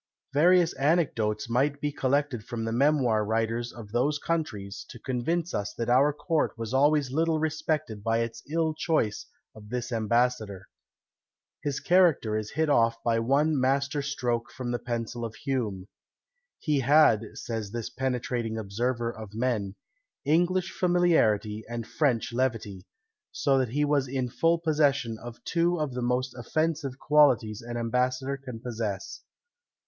Various anecdotes might be collected from the memoir writers of those countries, to convince us that our court was always little respected by its ill choice of this ambassador. His character is hit off by one master stroke from the pencil of Hume: "He had," says this penetrating observer of men, "English familiarity and French levity;" so that he was in full possession of two of the most offensive qualities an ambassador can possess.